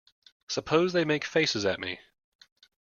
Suppose they make faces at me.